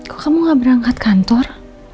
kok kamu gak berangkat kantor